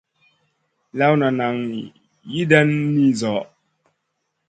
Lawna nan yiidan ni zo.